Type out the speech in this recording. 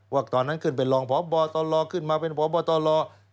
ว่าตอนนั้นขึ้นเป็นรองพบตลขึ้นมาเป็นพบตล